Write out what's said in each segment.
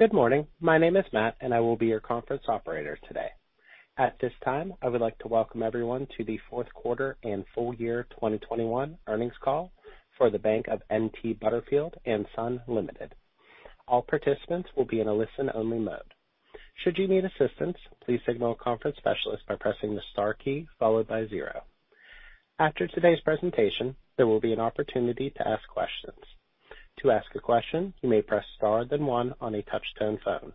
Good morning. My name is Matt, and I will be your conference operator today. At this time, I would like to welcome everyone to the fourth quarter and full year 2021 earnings call for The Bank of N.T. Butterfield & Son Limited. All participants will be in a listen-only mode. Should you need assistance, please signal a conference specialist by pressing the star key followed by zero. After today's presentation, there will be an opportunity to ask questions. To ask a question, you may press star then one on a touch-tone phone.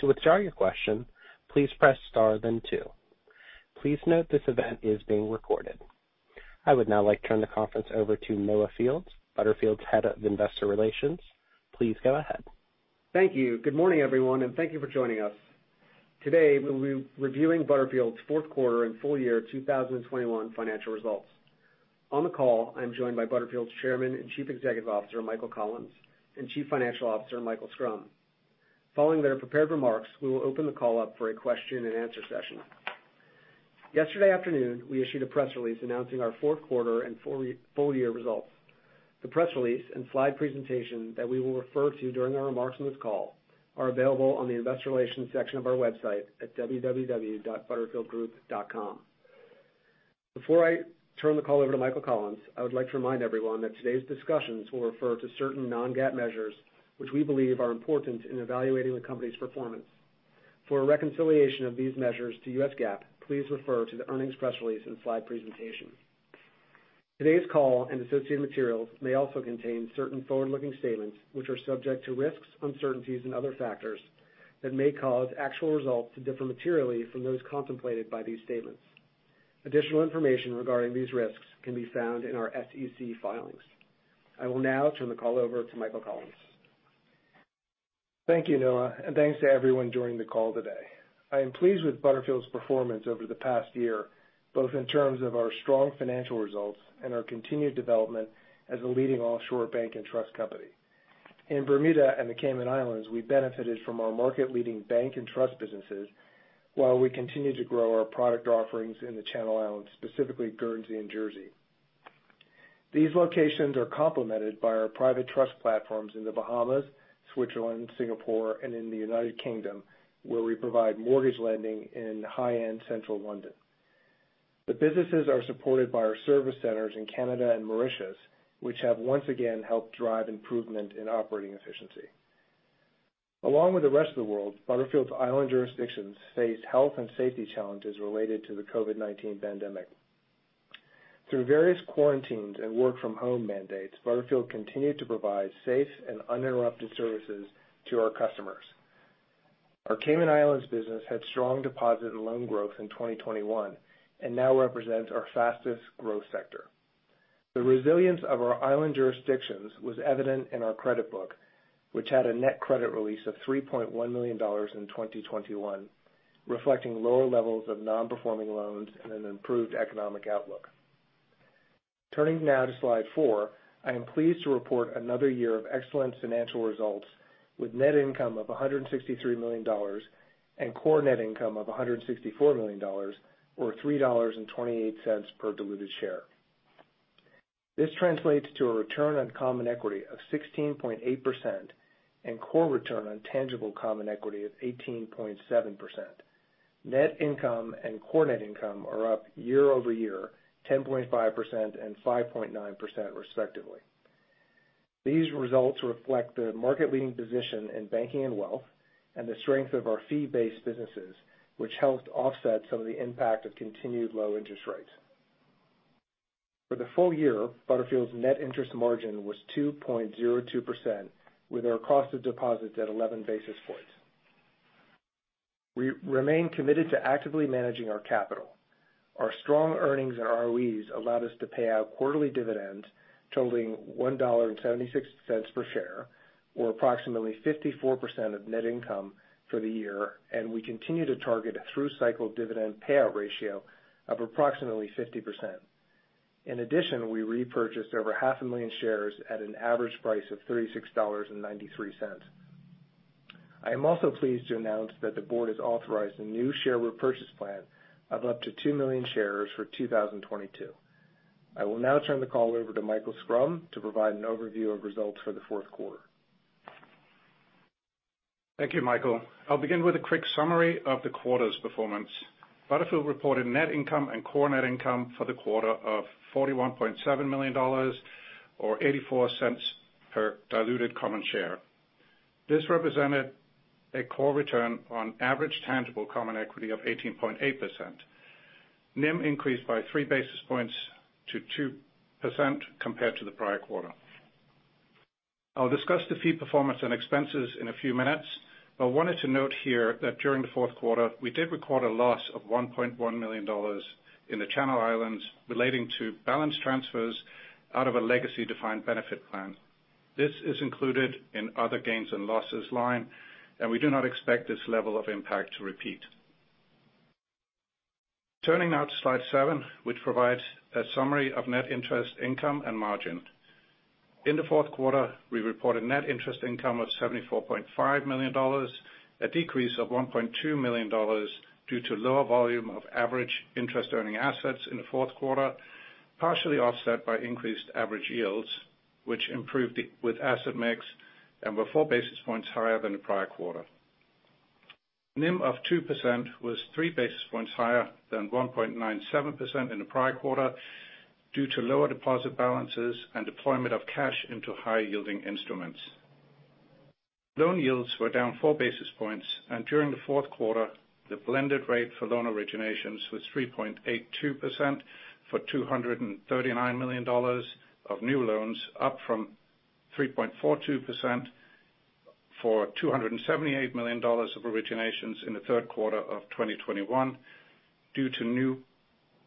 To withdraw your question, please press star then two. Please note this event is being recorded. I would now like to turn the conference over to Noah Fields, Butterfield's Head of Investor Relations. Please go ahead. Thank you. Good morning, everyone, and thank you for joining us. Today, we'll be reviewing Butterfield's fourth quarter and full year 2021 financial results. On the call, I'm joined by Butterfield's Chairman and Chief Executive Officer, Michael Collins, and Chief Financial Officer, Michael Schrum. Following their prepared remarks, we will open the call up for a question-and-answer session. Yesterday afternoon, we issued a press release announcing our fourth quarter and full year results. The press release and slide presentation that we will refer to during our remarks on this call are available on the investor relations section of our website at www.butterfieldgroup.com. Before I turn the call over to Michael Collins, I would like to remind everyone that today's discussions will refer to certain non-GAAP measures which we believe are important in evaluating the company's performance. For a reconciliation of these measures to U.S. GAAP, please refer to the earnings press release and slide presentation. Today's call and associated materials may also contain certain forward-looking statements which are subject to risks, uncertainties and other factors that may cause actual results to differ materially from those contemplated by these statements. Additional information regarding these risks can be found in our SEC filings. I will now turn the call over to Michael Collins. Thank you, Noah, and thanks to everyone joining the call today. I am pleased with Butterfield's performance over the past year, both in terms of our strong financial results and our continued development as a leading offshore bank and trust company. In Bermuda and the Cayman Islands, we benefited from our market-leading bank and trust businesses while we continue to grow our product offerings in the Channel Islands, specifically Guernsey and Jersey. These locations are complemented by our private trust platforms in the Bahamas, Switzerland, Singapore and in the United Kingdom, where we provide mortgage lending in high-end central London. The businesses are supported by our service centers in Canada and Mauritius, which have once again helped drive improvement in operating efficiency. Along with the rest of the world, Butterfield's island jurisdictions face health and safety challenges related to the COVID-19 pandemic. Through various quarantines and work from home mandates, Butterfield continued to provide safe and uninterrupted services to our customers. Our Cayman Islands business had strong deposit and loan growth in 2021 and now represents our fastest growth sector. The resilience of our island jurisdictions was evident in our credit book, which had a net credit release of $3.1 million in 2021, reflecting lower levels of non-performing loans and an improved economic outlook. Turning now to slide four. I am pleased to report another year of excellent financial results with net income of $163 million and core net income of $164 million or $3.28 per diluted share. This translates to a return on common equity of 16.8% and core return on tangible common equity of 18.7%. Net income and core net income are up year-over-year, 10.5% and 5.9% respectively. These results reflect the market leading position in banking and wealth and the strength of our fee-based businesses, which helped offset some of the impact of continued low interest rates. For the full year, Butterfield's net interest margin was 2.02%, with our cost of deposits at 11 basis points. We remain committed to actively managing our capital. Our strong earnings and ROEs allowed us to pay out quarterly dividends totaling $1.76 per share, or approximately 54% of net income for the year. We continue to target a through cycle dividend payout ratio of approximately 50%. In addition, we repurchased over 500,000 shares at an average price of $36.93. I am also pleased to announce that the board has authorized a new share repurchase plan of up to 2,000,000 shares for 2022. I will now turn the call over to Michael Schrum to provide an overview of results for the fourth quarter. Thank you, Michael. I'll begin with a quick summary of the quarter's performance. Butterfield reported net income and core net income for the quarter of $41.7 million or $0.84 per diluted common share. This represented a core return on average tangible common equity of 18.8%. NIM increased by 3 basis points to 2% compared to the prior quarter. I'll discuss the fee performance and expenses in a few minutes, but wanted to note here that during the fourth quarter we did record a loss of $1.1 million in the Channel Islands relating to balance transfers out of a legacy defined benefit plan. This is included in other gains and losses line, and we do not expect this level of impact to repeat. Turning now to slide seven, which provides a summary of net interest income and margin. In the fourth quarter, we reported net interest income of $74.5 million. A decrease of $1.2 million due to lower volume of average interest-earning assets in the fourth quarter, partially offset by increased average yields, which improved with asset mix and were 4 basis points higher than the prior quarter. NIM of 2% was 3 basis points higher than 1.97% in the prior quarter due to lower deposit balances and deployment of cash into higher-yielding instruments. Loan yields were down 4 basis points, and during the fourth quarter, the blended rate for loan originations was 3.82% for $239 million of new loans, up from 3.42% for $278 million of originations in the third quarter of 2021 due to new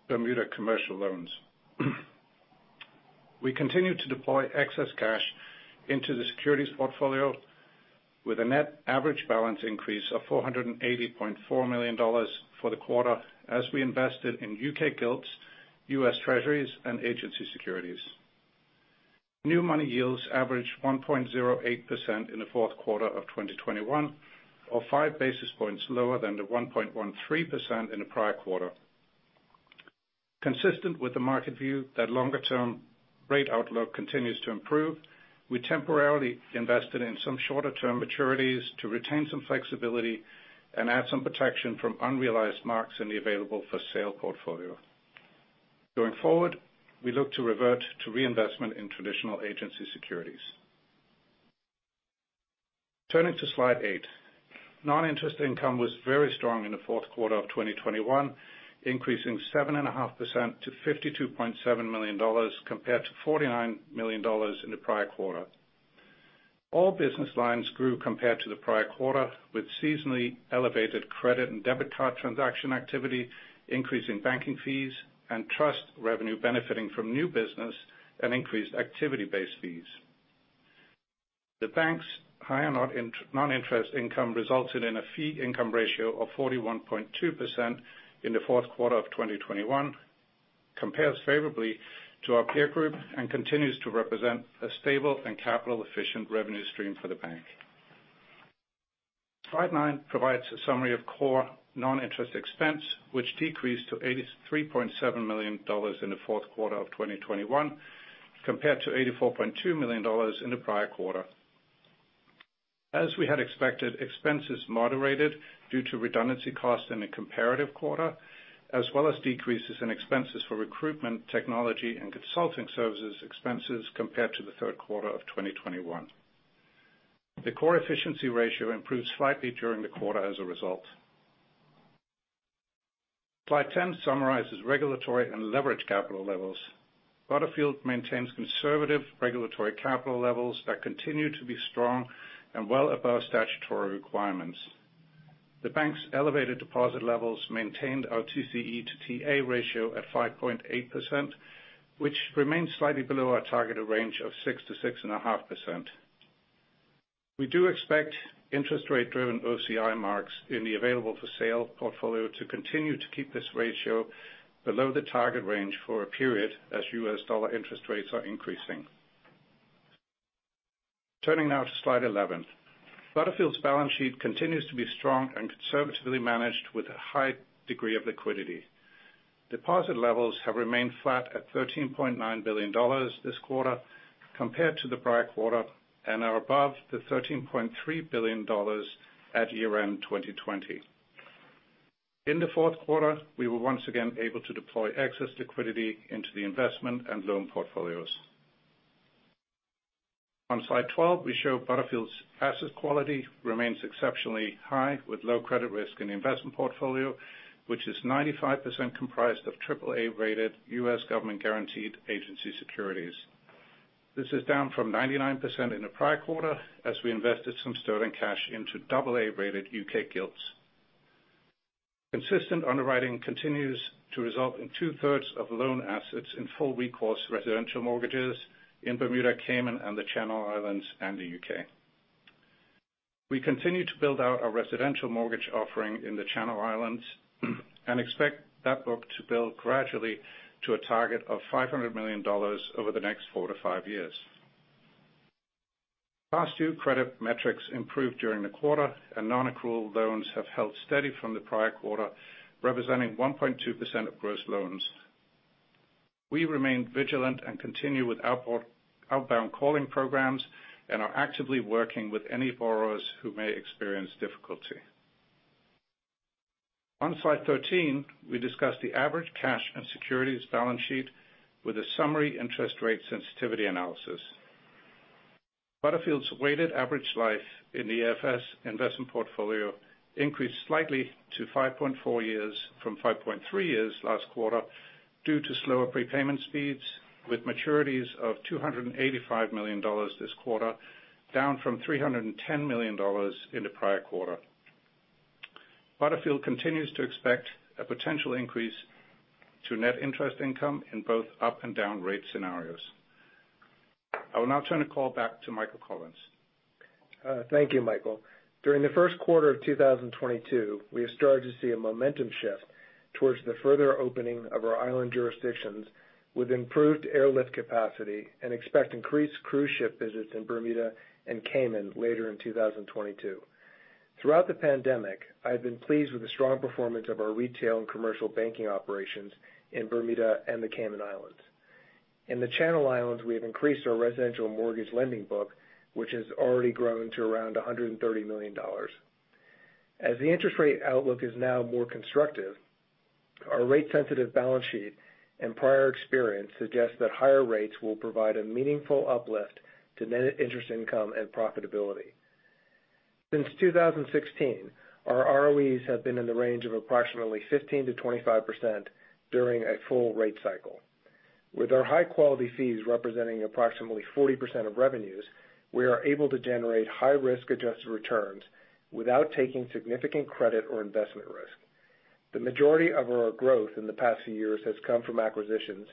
Bermuda commercial loans. We continued to deploy excess cash into the securities portfolio with a net average balance increase of $480.4 million for the quarter as we invested in U.K. gilts, U.S. Treasuries, and agency securities. New money yields averaged 1.08% in the fourth quarter of 2021, or 5 basis points lower than the 1.13% in the prior quarter. Consistent with the market view that longer-term rate outlook continues to improve, we temporarily invested in some shorter-term maturities to retain some flexibility and add some protection from unrealized marks in the available for sale portfolio. Going forward, we look to revert to reinvestment in traditional agency securities. Turning to slide eight. Non-interest income was very strong in the fourth quarter of 2021, increasing 7.5% to $52.7 million compared to $49 million in the prior quarter. All business lines grew compared to the prior quarter, with seasonally elevated credit and debit card transaction activity, increase in banking fees, and trust revenue benefiting from new business and increased activity-based fees. The bank's higher non-interest income resulted in a fee income ratio of 41.2% in the fourth quarter of 2021. It compares favorably to our peer group and continues to represent a stable and capital-efficient revenue stream for the bank. Slide nine provides a summary of core non-interest expense, which decreased to $83.7 million in the fourth quarter of 2021 compared to $84.2 million in the prior quarter. As we had expected, expenses moderated due to redundancy costs in the comparative quarter, as well as decreases in expenses for recruitment, technology, and consulting services expenses compared to the third quarter of 2021. The core efficiency ratio improved slightly during the quarter as a result. Slide 10 summarizes regulatory and leverage capital levels. Butterfield maintains conservative regulatory capital levels that continue to be strong and well above statutory requirements. The bank's elevated deposit levels maintained our TCE to TA ratio at 5.8%, which remains slightly below our targeted range of 6%-6.5%. We do expect interest rate-driven OCI marks in the available-for-sale portfolio to continue to keep this ratio below the target range for a period as U.S. dollar interest rates are increasing. Turning now to slide 11. Butterfield's balance sheet continues to be strong and conservatively managed with a high degree of liquidity. Deposit levels have remained flat at $13.9 billion this quarter compared to the prior quarter and are above the $13.3 billion at year-end 2020. In the fourth quarter, we were once again able to deploy excess liquidity into the investment and loan portfolios. On slide 12, we show Butterfield's asset quality remains exceptionally high with low credit risk in the investment portfolio, which is 95% comprised of triple-A rated U.S. government-guaranteed agency securities. This is down from 99% in the prior quarter as we invested some sterling cash into double-A rated U.K. gilts. Consistent underwriting continues to result in 2/3 of loan assets in full recourse residential mortgages in Bermuda, Cayman, and the Channel Islands, and the U.K. We continue to build out our residential mortgage offering in the Channel Islands and expect that book to build gradually to a target of $500 million over the next four to five years. Past due credit metrics improved during the quarter, and non-accrual loans have held steady from the prior quarter, representing 1.2% of gross loans. We remain vigilant and continue with outbound calling programs and are actively working with any borrowers who may experience difficulty. On slide 13, we discuss the average cash and securities balance sheet with a summary interest rate sensitivity analysis. Butterfield's weighted average life in the AFS investment portfolio increased slightly to 5.4 years from 5.3 years last quarter due to slower prepayment speeds, with maturities of $285 million this quarter, down from $310 million in the prior quarter. Butterfield continues to expect a potential increase to net interest income in both up and down rate scenarios. I will now turn the call back to Michael Collins. Thank you, Michael. During the first quarter of 2022, we have started to see a momentum shift towards the further opening of our island jurisdictions with improved airlift capacity and expect increased cruise ship visits in Bermuda and Cayman later in 2022. Throughout the pandemic, I've been pleased with the strong performance of our retail and commercial banking operations in Bermuda and the Cayman Islands. In the Channel Islands, we have increased our residential mortgage lending book, which has already grown to around $130 million. As the interest rate outlook is now more constructive, our rate sensitive balance sheet and prior experience suggests that higher rates will provide a meaningful uplift to net interest income and profitability. Since 2016, our ROEs have been in the range of approximately 15%-25% during a full rate cycle. With our high-quality fees representing approximately 40% of revenues, we are able to generate high risk-adjusted returns without taking significant credit or investment risk. The majority of our growth in the past few years has come from acquisitions,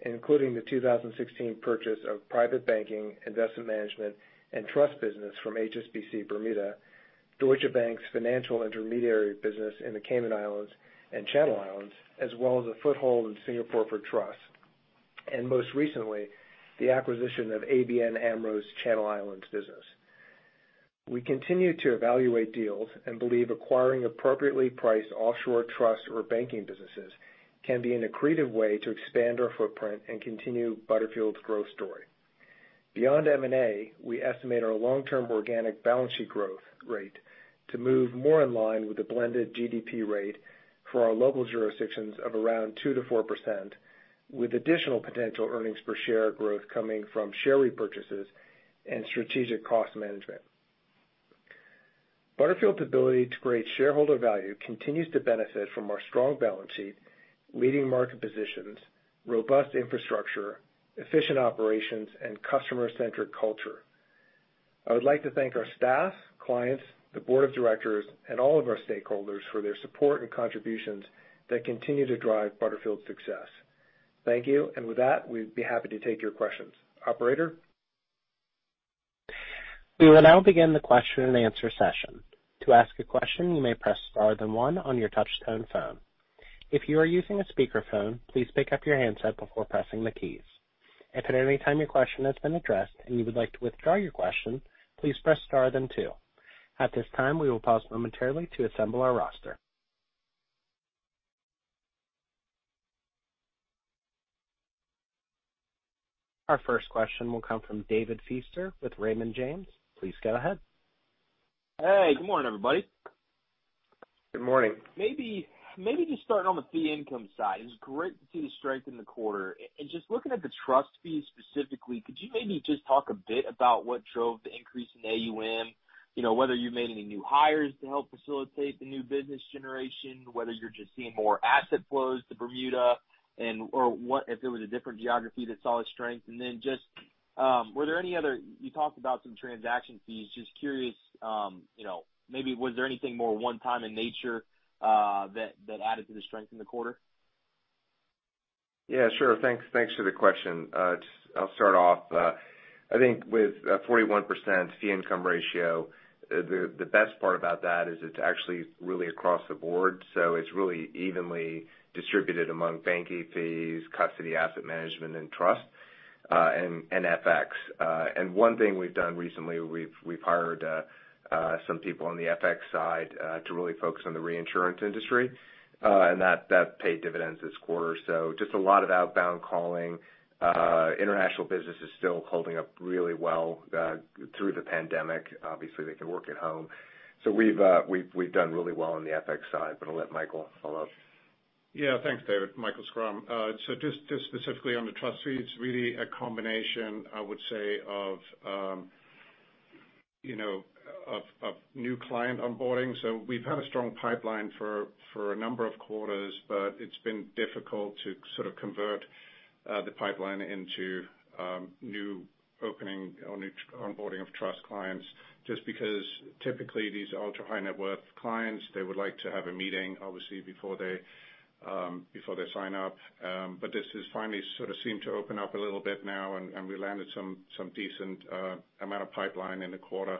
including the 2016 purchase of private banking, investment management and trust business from HSBC Bermuda, Deutsche Bank's financial intermediary business in the Cayman Islands and Channel Islands, as well as a foothold in Singapore for trust. Most recently, the acquisition of ABN AMRO's Channel Islands business. We continue to evaluate deals and believe acquiring appropriately priced offshore trust or banking businesses can be an accretive way to expand our footprint and continue Butterfield's growth story. Beyond M&A, we estimate our long-term organic balance sheet growth rate to move more in line with the blended GDP rate for our local jurisdictions of around 2%-4%, with additional potential earnings per share growth coming from share repurchases and strategic cost management. Butterfield's ability to create shareholder value continues to benefit from our strong balance sheet, leading market positions, robust infrastructure, efficient operations, and customer-centric culture. I would like to thank our staff, clients, the board of directors, and all of our stakeholders for their support and contributions that continue to drive Butterfield's success. Thank you. With that, we'd be happy to take your questions. Operator? We will now begin the question-and-answer session. To ask a question, you may press star then one on your touch tone phone. If you are using a speakerphone, please pick up your handset before pressing the keys. If at any time your question has been addressed and you would like to withdraw your question, please press star then two. At this time, we will pause momentarily to assemble our roster. Our first question will come from David Feaster with Raymond James. Please go ahead. Hey, good morning, everybody. Good morning. Maybe just starting on the fee income side, it's great to see the strength in the quarter. And just looking at the trust fees specifically, could you maybe just talk a bit about what drove the increase in AUM? You know, whether you made any new hires to help facilitate the new business generation, whether you're just seeing more asset flows to Bermuda and or what if there was a different geography that saw a strength. Then just, were there any other. You talked about some transaction fees. Just curious, you know, maybe was there anything more one time in nature, that added to the strength in the quarter? Yeah, sure. Thanks for the question. I'll start off. I think with 41% fee income ratio, the best part about that is it's actually really across the board. It's really evenly distributed among banking fees, custody asset management, and trust, and FX. One thing we've done recently, we've hired some people on the FX side to really focus on the reinsurance industry, and that paid dividends this quarter. Just a lot of outbound calling. International business is still holding up really well through the pandemic. Obviously, they can work at home. We've done really well on the FX side, but I'll let Michael follow up. Yeah. Thanks, David. Michael Schrum. Just specifically on the trust fee, it's really a combination, I would say of you know of new client onboarding. We've had a strong pipeline for a number of quarters, but it's been difficult to sort of convert the pipeline into new opening on each onboarding of trust clients just because typically these ultra-high net worth clients, they would like to have a meeting, obviously, before they sign up. This is finally sort of seemed to open up a little bit now, and we landed some decent amount of pipeline in the quarter.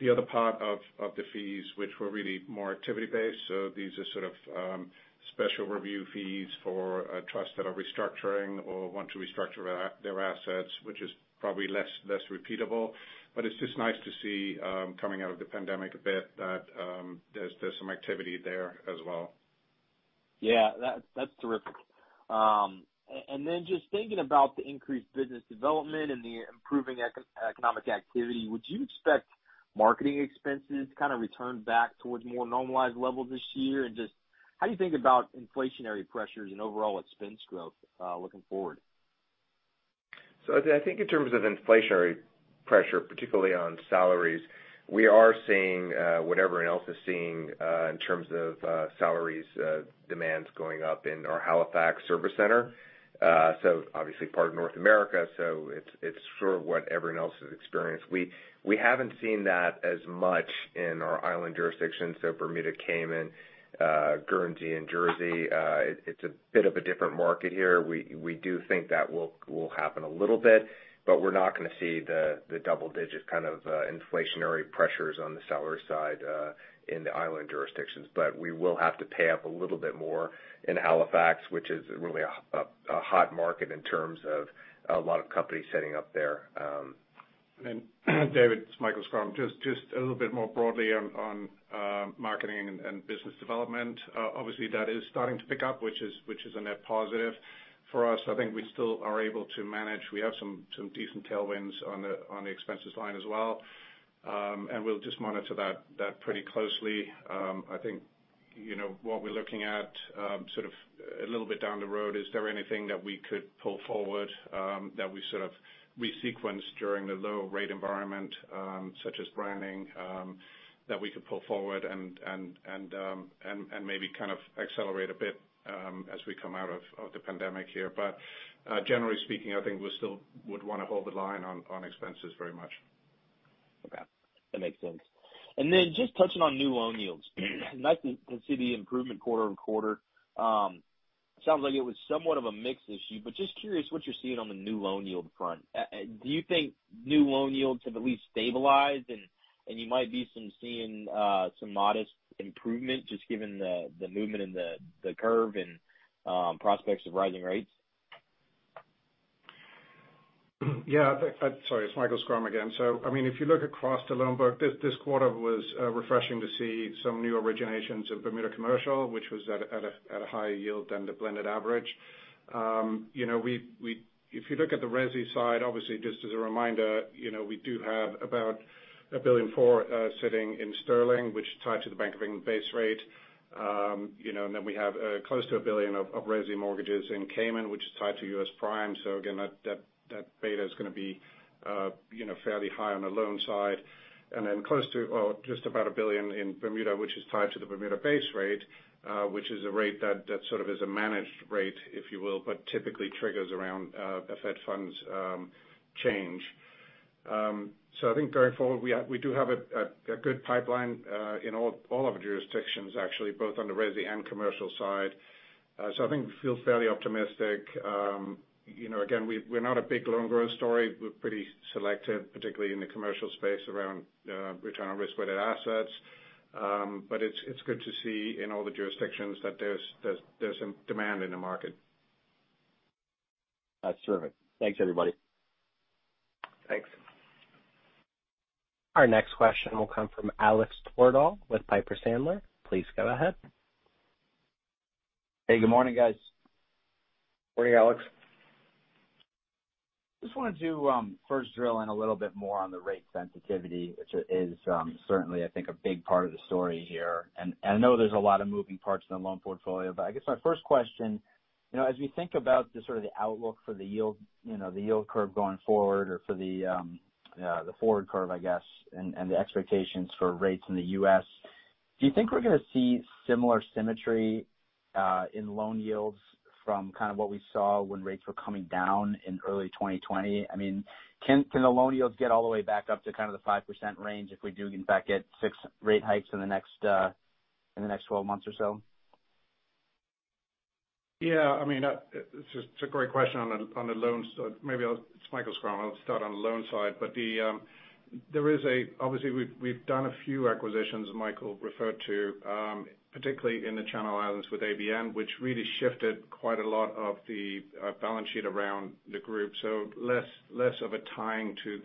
The other part of the fees, which were really more activity-based, so these are sort of special review fees for trusts that are restructuring or want to restructure their assets, which is probably less repeatable. It's just nice to see coming out of the pandemic a bit that there's some activity there as well. Yeah, that's terrific. Just thinking about the increased business development and the improving economic activity, would you expect marketing expenses to kind of return back towards more normalized levels this year? Just how do you think about inflationary pressures and overall expense growth, looking forward? I think in terms of inflationary pressure, particularly on salaries, we are seeing what everyone else is seeing in terms of salary demands going up in our Halifax service center. Obviously part of North America, it's sort of what everyone else has experienced. We haven't seen that as much in our island jurisdictions, Bermuda, Cayman, Guernsey, and Jersey. It's a bit of a different market here. We do think that will happen a little bit, but we're not gonna see the double-digit kind of inflationary pressures on the salary side in the island jurisdictions. We will have to pay up a little bit more in Halifax, which is really a hot market in terms of a lot of companies setting up there. David, it's Michael Schrum. Just a little bit more broadly on marketing and business development. Obviously, that is starting to pick up, which is a net positive for us. I think we still are able to manage. We have some decent tailwinds on the expenses line as well. And we'll just monitor that pretty closely. I think, you know, what we're looking at, sort of a little bit down the road, is there anything that we could pull forward that we sort of resequence during the low rate environment, such as branding, that we could pull forward and maybe kind of accelerate a bit as we come out of the pandemic here. Generally speaking, I think we still would wanna hold the line on expenses very much. Okay. That makes sense. Just touching on new loan yields. Nice to see the improvement quarter-over-quarter. Sounds like it was somewhat of a mix issue, but just curious what you're seeing on the new loan yield front. Do you think new loan yields have at least stabilized and you might be seeing some modest improvement just given the movement in the curve and prospects of rising rates? Yeah. Sorry, it's Michael Schrum again. I mean, if you look across the loan book, this quarter was refreshing to see some new originations of Bermuda Commercial, which was at a higher yield than the blended average. You know, if you look at the resi side, obviously just as a reminder, you know, we do have about 1.4 billion sitting in sterling, which tied to the Bank of England base rate. You know, and then we have close to $1 billion of resi mortgages in Cayman, which is tied to U.S. prime. Again, that beta's gonna be you know, fairly high on the loan side. Close to or just about $1 billion in Bermuda, which is tied to the Bermuda base rate, which is a rate that sort of is a managed rate, if you will, but typically triggers around the Fed funds change. I think going forward, we do have a good pipeline in all of the jurisdictions, actually, both on the resi and commercial side. I think we feel fairly optimistic. You know, again, we're not a big loan growth story. We're pretty selective, particularly in the commercial space around return on risk-weighted assets. It's good to see in all the jurisdictions that there's some demand in the market. That's terrific. Thanks, everybody. Thanks. Our next question will come from Alex Twerdahl with Piper Sandler. Please go ahead. Hey, good morning, guys. Morning, Alex. Just wanted to first drill in a little bit more on the rate sensitivity, which is certainly, I think, a big part of the story here. I know there's a lot of moving parts in the loan portfolio, but I guess my first question, you know, as we think about the sort of the outlook for the yield, you know, the yield curve going forward or for the forward curve, I guess, and the expectations for rates in the U.S., do you think we're gonna see similar symmetry in loan yields from kind of what we saw when rates were coming down in early 2020? I mean, can the loan yields get all the way back up to kind of the 5% range if we do in fact get 6% rate hikes in the next 12 months or so? Yeah, I mean, it's just a great question on the loans. It's Michael Schrum, I'll start on the loan side. The there is a. Obviously, we've done a few acquisitions Michael referred to, particularly in the Channel Islands with ABN AMRO, which really shifted quite a lot of the balance sheet around the group. So less of a tying to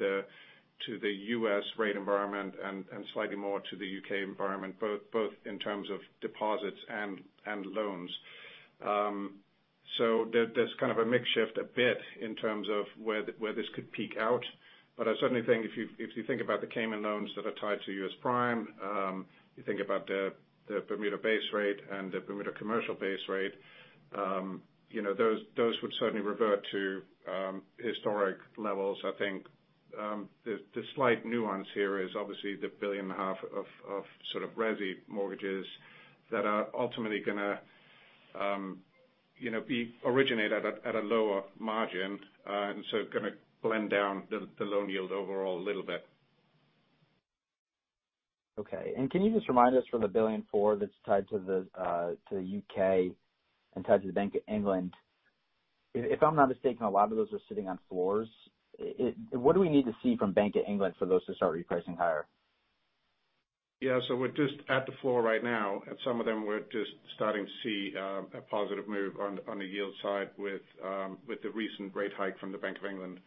the U.S. rate environment and slightly more to the U.K. environment, both in terms of deposits and loans. So there's kind of a mix shift a bit in terms of where this could peak out. I certainly think if you think about the Cayman loans that are tied to U.S. prime, you think about the Bermuda base rate and the Bermuda commercial base rate, you know, those would certainly revert to historic levels. I think, the slight nuance here is obviously the $1.5 billion of sort of resi mortgages that are ultimately gonna be originated at a lower margin, and so gonna blend down the loan yield overall a little bit. Okay. Can you just remind us from the 1.4 billion that's tied to the U.K. and tied to the Bank of England. If I'm not mistaken, a lot of those are sitting on floors. What do we need to see from Bank of England for those to start repricing higher? Yeah. We're just at the floor right now, and some of them we're just starting to see a positive move on the yield side with the recent rate hike from the Bank of England.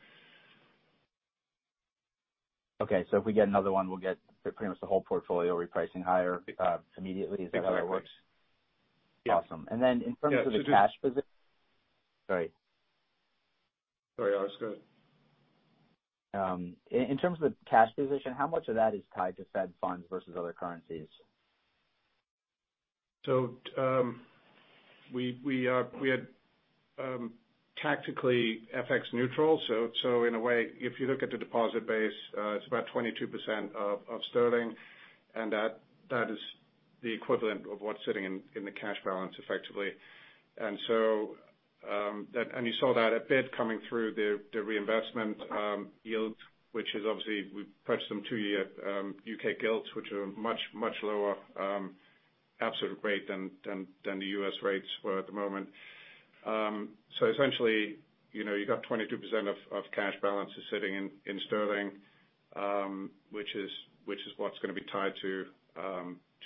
Okay. If we get another one, we'll get pretty much the whole portfolio repricing higher, immediately. Exactly. Is the way that works? Yeah. Awesome. Sorry. Sorry, Alex, go ahead. In terms of the cash position, how much of that is tied to Fed funds versus other currencies? We are tactically FX neutral. In a way, if you look at the deposit base, it's about 22% of sterling, and that is the equivalent of what's sitting in the cash balance effectively. That, and you saw that a bit coming through the reinvestment yield, which is obviously we purchased some two-year U.K. gilts, which are much lower absolute rate than the U.S. rates were at the moment. Essentially, you know, you got 22% of cash balances sitting in sterling, which is what's gonna be tied to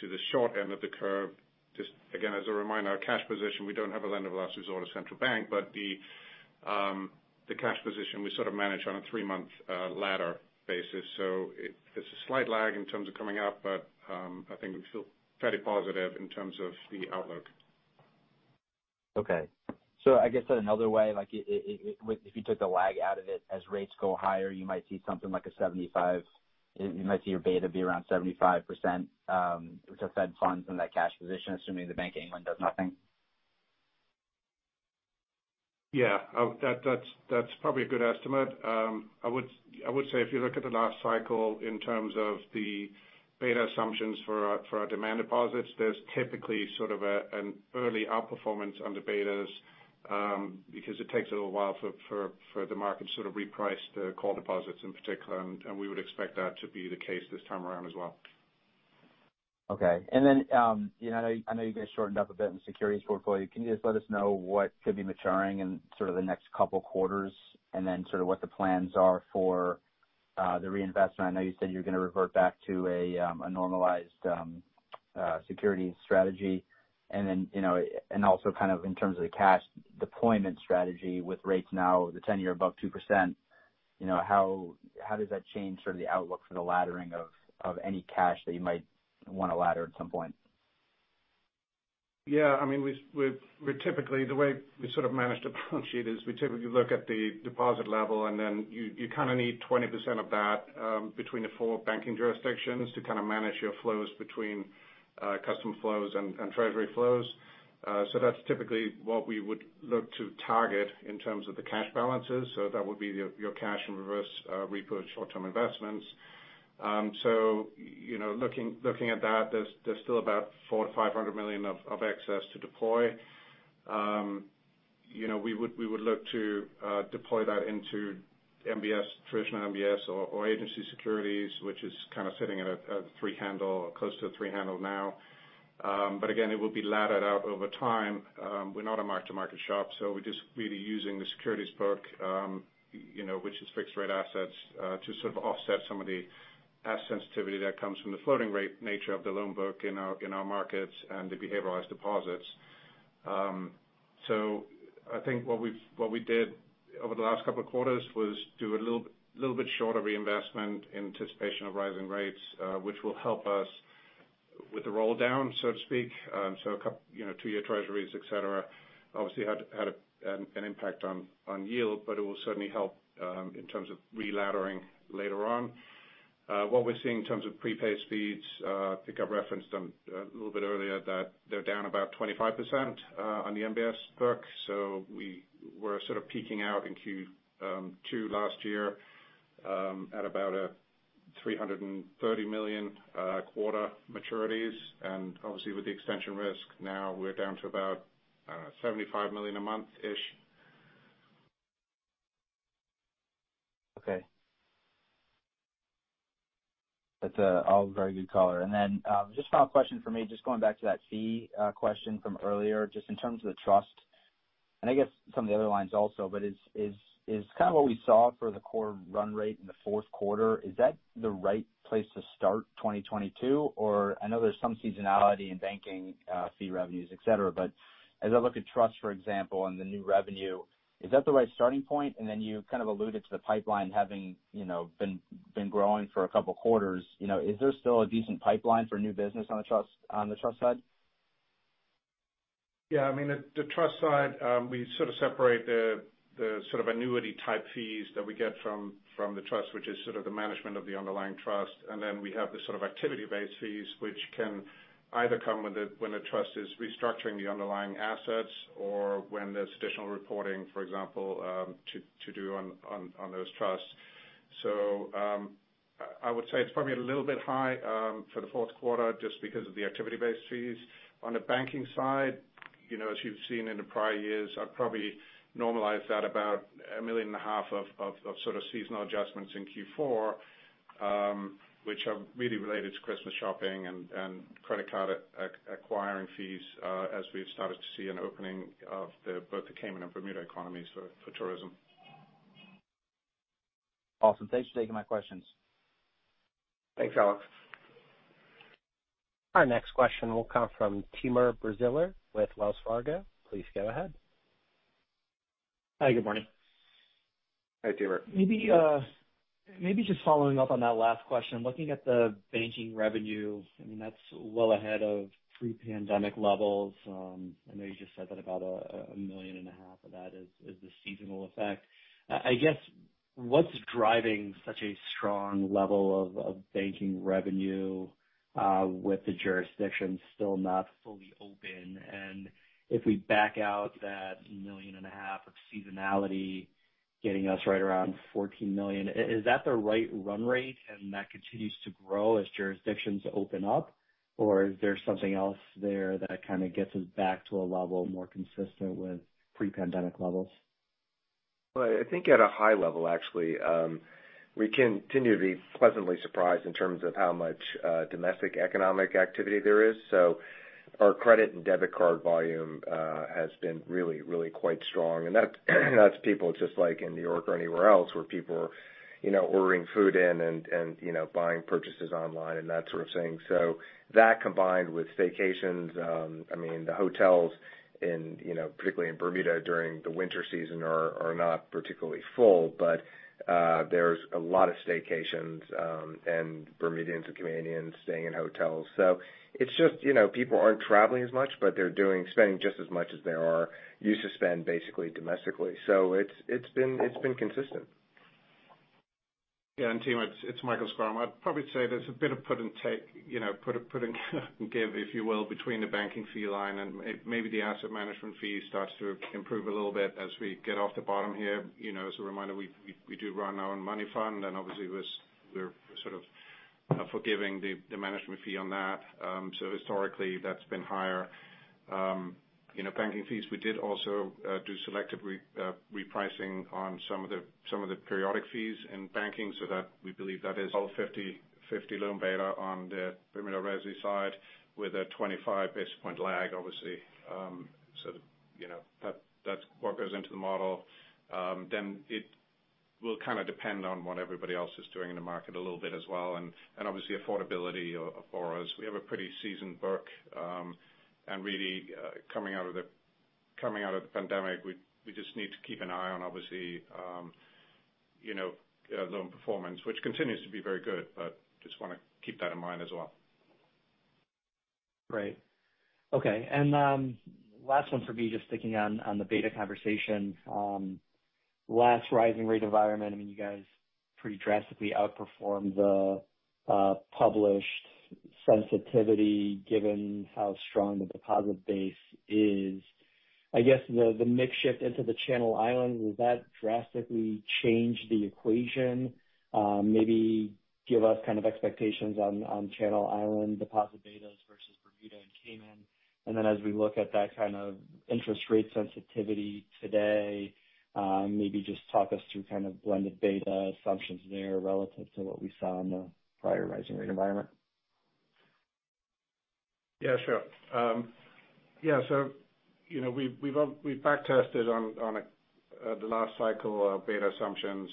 the short end of the curve. Just again, as a reminder, our cash position. We don't have a lender of last resort or central bank, but the cash position we sort of manage on a three-month ladder basis. It's a slight lag in terms of coming up, but I think we feel fairly positive in terms of the outlook. Okay. I guess said another way, like if you took the lag out of it, as rates go higher, you might see your beta be around 75%, with the Fed funds and that cash position, assuming the Bank of England does nothing. Yeah. That's probably a good estimate. I would say if you look at the last cycle in terms of the beta assumptions for our demand deposits, there's typically an early outperformance on the betas, because it takes a little while for the market to sort of reprice the call deposits in particular, and we would expect that to be the case this time around as well. Okay. You know, I know, I know you guys shortened up a bit in the securities portfolio. Can you just let us know what could be maturing in sort of the next couple quarters and then sort of what the plans are for the reinvestment? I know you said you're gonna revert back to a normalized securities strategy. You know, also kind of in terms of the cash deployment strategy with rates now the 10-year above 2%, you know, how does that change sort of the outlook for the laddering of any cash that you might wanna ladder at some point? Yeah. I mean, we typically, the way we sort of manage the balance sheet is we typically look at the deposit level, and then you kind of need 20% of that, between the four banking jurisdictions to kind of manage your flows between customer flows and treasury flows. That's typically what we would look to target in terms of the cash balances. That would be your cash and reverse repurchase short-term investments. You know, looking at that, there's still about $400 million-$500 million of excess to deploy. You know, we would look to deploy that into MBS, traditional MBS or agency securities, which is kind of sitting at a three handle, close to a three handle now. Again, it will be laddered out over time. We're not a mark-to-market shop, so we're just really using the securities book, you know, which is fixed-rate assets, to sort of offset some of the asset sensitivity that comes from the floating-rate nature of the loan book in our markets and the behavioralized deposits. I think what we did over the last couple of quarters was do a little bit shorter reinvestment in anticipation of rising rates, which will help us with the roll down, so to speak. You know, two-year treasuries, et cetera, obviously had an impact on yield, but it will certainly help in terms of re-laddering later on. What we're seeing in terms of prepaid speeds, I think I've referenced them a little bit earlier, that they're down about 25% on the MBS book. We were sort of peaking out in Q2 last year at about $330 million quarter maturities. Obviously with the extension risk, now we're down to about $75 million a month-ish. Okay. That's all very good color. Just final question for me, just going back to that fee question from earlier, just in terms of the trust, and I guess some of the other lines also, but is kind of what we saw for the core run rate in the fourth quarter, is that the right place to start 2022? I know there's some seasonality in banking, fee revenues, et cetera. As I look at trust, for example, and the new revenue, is that the right starting point? You kind of alluded to the pipeline having, you know, been growing for a couple quarters. You know, is there still a decent pipeline for new business on the trust, on the trust side? Yeah. I mean, the trust side, we sort of separate the sort of annuity type fees that we get from the trust, which is sort of the management of the underlying trust. We have the sort of activity-based fees, which can either come when the trust is restructuring the underlying assets or when there's additional reporting, for example, to do on those trusts. I would say it's probably a little bit high for the fourth quarter just because of the activity-based fees. On the banking side, you know, as you've seen in the prior years, I'd probably normalize that about $1.5 million of sort of seasonal adjustments in Q4, which are really related to Christmas shopping and credit card acquiring fees, as we've started to see an opening of both the Cayman and Bermuda economies for tourism. Awesome. Thanks for taking my questions. Thanks, Alex. Our next question will come from Timur Braziler with Wells Fargo. Please go ahead. Hi, good morning. Hi, Timur. Maybe just following up on that last question, looking at the banking revenue, I mean, that's well ahead of pre-pandemic levels. I know you just said that about $1.5 million of that is the seasonal effect. I guess, what's driving such a strong level of banking revenue with the jurisdictions still not fully open? And if we back out that $1.5 million of seasonality getting us right around $14 million, is that the right run rate and that continues to grow as jurisdictions open up? Or is there something else there that kind of gets us back to a level more consistent with pre-pandemic levels? Well, I think at a high level, actually, we continue to be pleasantly surprised in terms of how much domestic economic activity there is. Our credit and debit card volume has been really quite strong. And that's people just like in New York or anywhere else where people are, you know, ordering food in and, you know, buying purchases online and that sort of thing. That combined with staycations, I mean, the hotels in, you know, particularly in Bermuda during the winter season are not particularly full, but there's a lot of staycations, and Bermudians and Caymanians staying in hotels. It's just, you know, people aren't traveling as much, but they're doing spending just as much as they are used to spend basically domestically. It's been consistent. Yeah. Team, it's Michael Schrum. I'd probably say there's a bit of put and take, you know, if you will, between the banking fee line and maybe the asset management fee starts to improve a little bit as we get off the bottom here. You know, as a reminder, we do run our own money fund, and obviously we're sort of forgiving the management fee on that. Historically, that's been higher. You know, banking fees, we did also do selective repricing on some of the periodic fees in banking, that we believe is all 50/50 loan beta on the Bermuda resi side with a 25 basis point lag, obviously. You know, that's what goes into the model. It will kinda depend on what everybody else is doing in the market a little bit as well, and obviously affordability for us. We have a pretty seasoned book, and really, coming out of the pandemic, we just need to keep an eye on obviously, you know, loan performance, which continues to be very good, but just wanna keep that in mind as well. Great. Okay. Last one for me, just sticking on the beta conversation. Last rising rate environment, I mean, you guys pretty drastically outperformed the published sensitivity given how strong the deposit base is. I guess the mix shift into the Channel Islands, will that drastically change the equation? Maybe give us kind of expectations on Channel Islands deposit betas versus Bermuda and Cayman. Then as we look at that kind of interest rate sensitivity today, maybe just talk us through kind of blended beta assumptions there relative to what we saw in the prior rising rate environment. Yeah, sure. Yeah. You know, we've back tested on the last cycle beta assumptions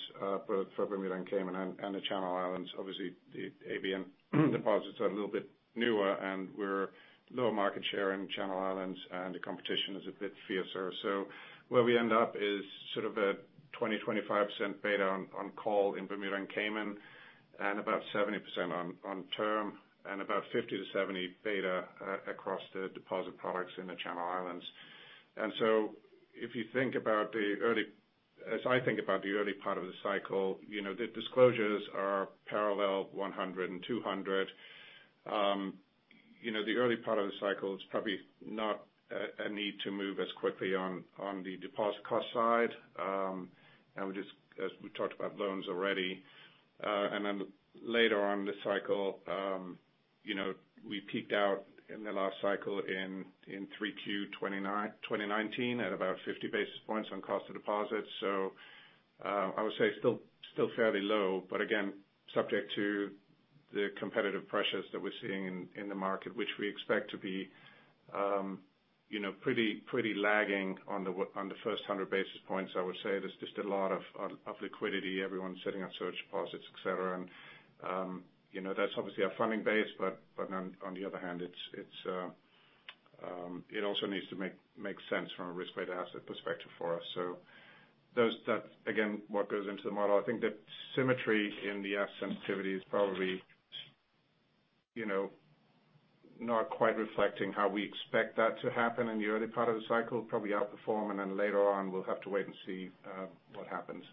for Bermuda and Cayman and the Channel Islands. Obviously, the ABN deposits are a little bit newer, and we're lower market share in Channel Islands, and the competition is a bit fiercer. Where we end up is sort of a 25% beta on call in Bermuda and Cayman, and about 70% on term, and about 50%-70% beta across the deposit products in the Channel Islands. If you think about the early part of the cycle, you know, the disclosures are parallel 100 and 200. You know, the early part of the cycle is probably not a need to move as quickly on the deposit cost side. We just, as we talked about, loans already, and then later on in the cycle, you know, we peaked out in the last cycle in Q3 2019 at about 50 basis points on cost of deposits. I would say still fairly low, but again, subject to the competitive pressures that we're seeing in the market, which we expect to be, you know, pretty lagging on the first 100 basis points. I would say there's just a lot of liquidity, everyone's sitting on cash deposits, et cetera. You know, that's obviously our funding base. On the other hand, it also needs to make sense from a risk-weighted asset perspective for us. That's again what goes into the model. I think the symmetry in the sensitivity is probably, you know, not quite reflecting how we expect that to happen in the early part of the cycle, probably outperform, and then later on we'll have to wait and see what happens.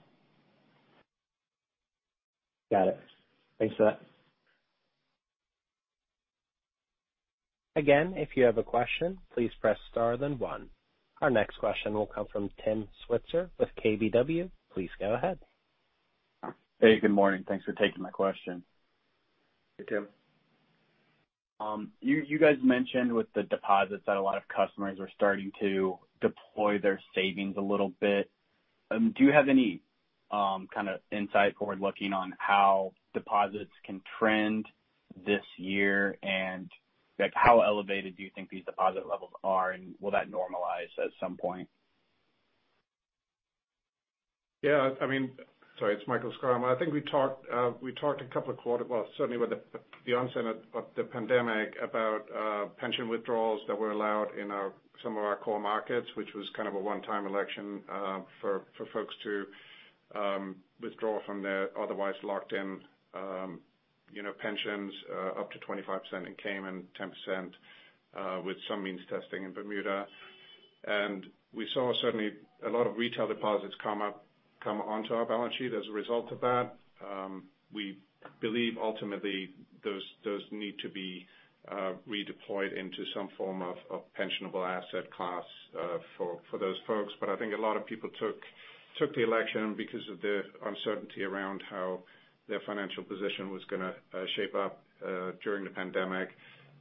Got it. Thanks for that. Again, if you have a question, please press star then one. Our next question will come from Tim Switzer with KBW. Please go ahead. Hey, good morning. Thanks for taking my question. Hey, Tim. You guys mentioned with the deposits that a lot of customers are starting to deploy their savings a little bit. Do you have any kinda insight forward looking on how deposits can trend this year and, like, how elevated do you think these deposit levels are, and will that normalize at some point? Yeah, I mean. Sorry. It's Michael Schrum. I think we talked a couple of quarters, well, certainly with the onset of the pandemic about pension withdrawals that were allowed in some of our core markets, which was kind of a one-time election for folks to withdraw from their otherwise locked in, you know, pensions up to 25% in Cayman, 10% with some means testing in Bermuda. We saw certainly a lot of retail deposits come onto our balance sheet as a result of that. We believe ultimately those need to be redeployed into some form of pensionable asset class for those folks. I think a lot of people took the election because of the uncertainty around how their financial position was gonna shape up during the pandemic.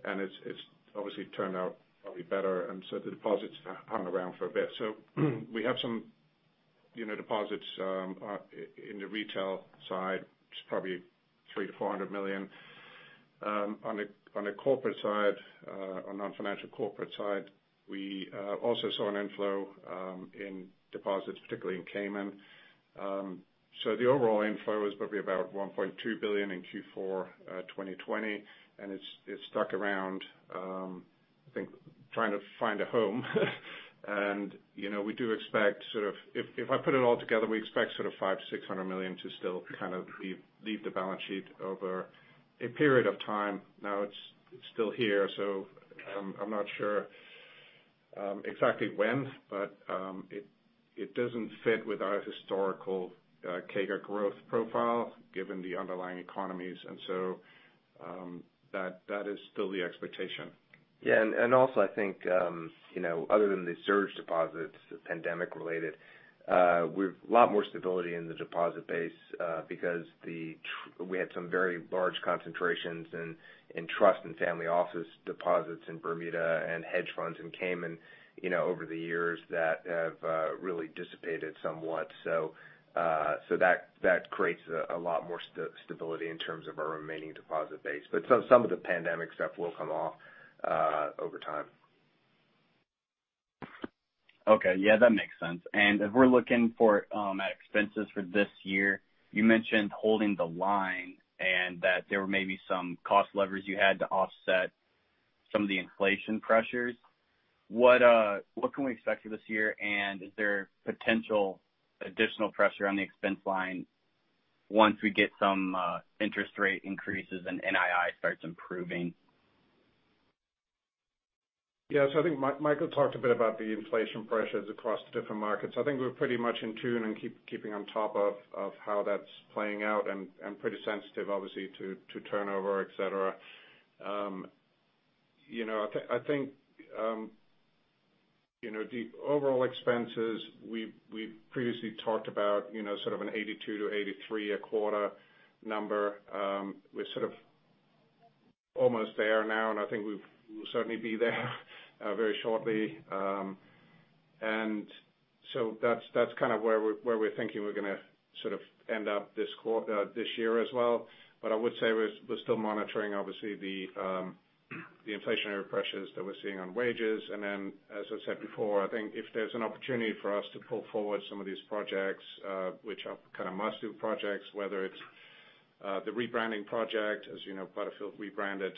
It's obviously turned out probably better, and the deposits hung around for a bit. We have some, you know, deposits in the retail side is probably $300 million-$400 million. On a corporate side, on non-financial corporate side, we also saw an inflow in deposits, particularly in Cayman. The overall inflow is probably about $1.2 billion in Q4 2020, and it's stuck around, I think trying to find a home. You know, if I put it all together, we expect sort of $500 million-$600 million to still kind of leave the balance sheet over a period of time. Now it's still here, so I'm not sure exactly when, but it doesn't fit with our historical CAGR growth profile given the underlying economies. That is still the expectation. I think, you know, other than the surge deposits, pandemic related, we have a lot more stability in the deposit base, because we had some very large concentrations in trust and family office deposits in Bermuda and hedge funds in Cayman, you know, over the years that have really dissipated somewhat. That creates a lot more stability in terms of our remaining deposit base. Some of the pandemic stuff will come off over time. Okay. Yeah, that makes sense. If we're looking at expenses for this year, you mentioned holding the line and that there were maybe some cost levers you had to offset some of the inflation pressures. What can we expect for this year? Is there potential additional pressure on the expense line once we get some interest rate increases and NII starts improving? I think Michael talked a bit about the inflation pressures across the different markets. I think we're pretty much in tune and keeping on top of how that's playing out and pretty sensitive obviously to turnover, etc. You know, I think you know, the overall expenses, we've previously talked about, you know, sort of a $82-$83 a quarter number. We're sort of almost there now, and I think we'll certainly be there very shortly. That's kind of where we're thinking we're gonna sort of end up this year as well. I would say we're still monitoring obviously the inflationary pressures that we're seeing on wages. As I said before, I think if there's an opportunity for us to pull forward some of these projects, which are kind of must-do projects, whether it's the rebranding project. As you know, Butterfield rebranded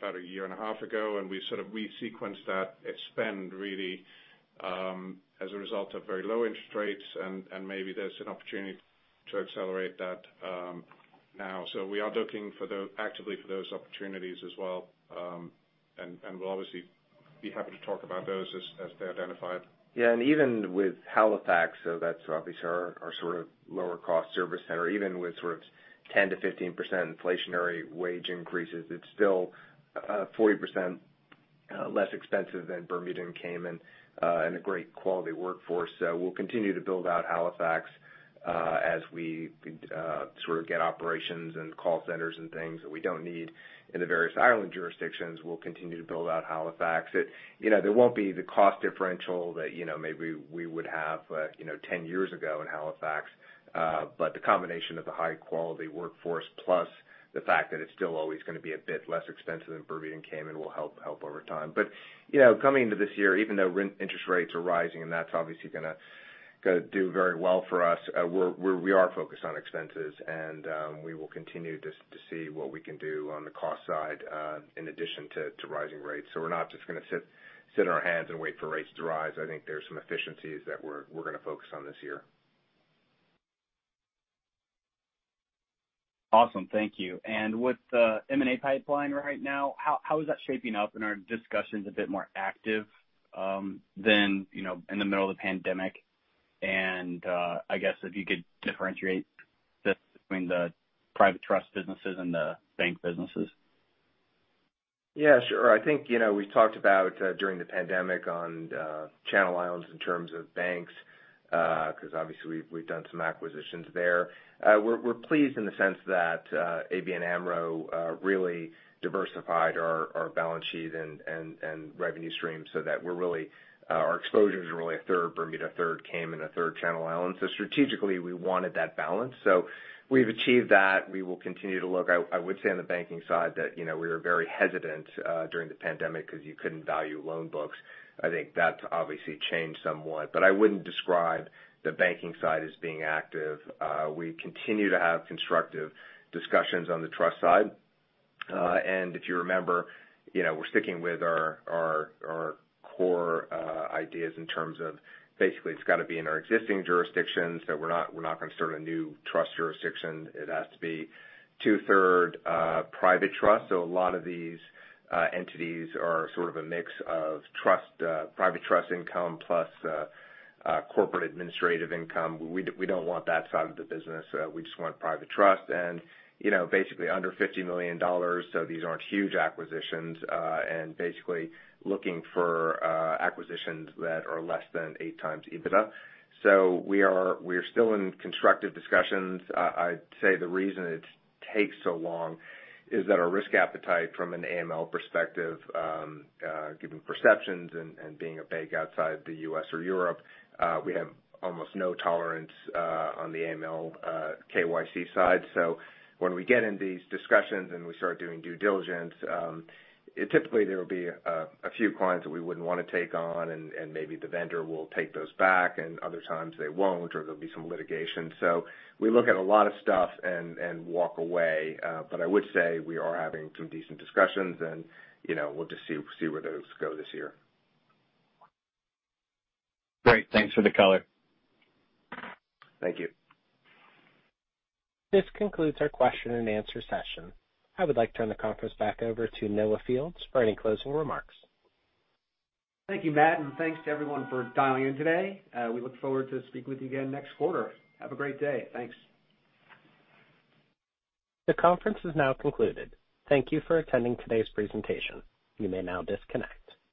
about a year and a half ago, and we sort of resequenced that spend really as a result of very low interest rates and maybe there's an opportunity to accelerate that now. We are looking actively for those opportunities as well. We'll obviously be happy to talk about those as they're identified. Yeah. Even with Halifax, so that's obviously our sort of lower cost service center, even with sort of 10%-15% inflationary wage increases, it's still 40% less expensive than Bermuda and Cayman and a great quality workforce. We'll continue to build out Halifax as we sort of get operations and call centers and things that we don't need in the various island jurisdictions. We'll continue to build out Halifax. You know, there won't be the cost differential that, you know, maybe we would have, you know, 10 years ago in Halifax. The combination of the high quality workforce plus the fact that it's still always gonna be a bit less expensive than Bermuda and Cayman will help over time. You know, coming into this year, even though interest rates are rising, and that's obviously gonna do very well for us, we are focused on expenses and we will continue to see what we can do on the cost side, in addition to rising rates. We're not just gonna sit on our hands and wait for rates to rise. I think there's some efficiencies that we're gonna focus on this year. Awesome. Thank you. With the M&A pipeline right now, how is that shaping up? Are discussions a bit more active than you know in the middle of the pandemic? I guess if you could differentiate this between the private trust businesses and the bank businesses. Yeah, sure. I think, you know, we've talked about during the pandemic on Channel Islands in terms of banks 'cause obviously we've done some acquisitions there. We're pleased in the sense that ABN AMRO really diversified our balance sheet and revenue stream so that we're really our exposure is really a third Bermuda, a third Cayman, and a third Channel Islands. Strategically, we wanted that balance. We've achieved that. We will continue to look. I would say on the banking side that, you know, we were very hesitant during the pandemic because you couldn't value loan books. I think that's obviously changed somewhat. I wouldn't describe the banking side as being active. We continue to have constructive discussions on the trust side. If you remember, you know, we're sticking with our core ideas in terms of basically it's gotta be in our existing jurisdictions, so we're not gonna start a new trust jurisdiction. It has to be 2/3 private trust. A lot of these entities are sort of a mix of trust private trust income plus corporate administrative income. We don't want that side of the business. We just want private trust and, you know, basically under $50 million, so these aren't huge acquisitions and basically looking for acquisitions that are less than 8x EBITDA. We are still in constructive discussions. I'd say the reason it takes so long is that our risk appetite from an AML perspective, given perceptions and being a bank outside the U.S. or Europe, we have almost no tolerance on the AML, KYC side. When we get in these discussions and we start doing due diligence, typically there will be a few clients that we wouldn't wanna take on and maybe the vendor will take those back, and other times they won't, or there'll be some litigation. We look at a lot of stuff and walk away. I would say we are having some decent discussions and, you know, we'll just see where those go this year. Great. Thanks for the color. Thank you. This concludes our question-and-answer session. I would like to turn the conference back over to Noah Fields for any closing remarks. Thank you, Matt, and thanks to everyone for dialing in today. We look forward to speaking with you again next quarter. Have a great day. Thanks. The conference is now concluded. Thank you for attending today's presentation. You may now disconnect.